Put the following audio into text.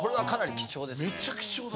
めっちゃ貴重だ！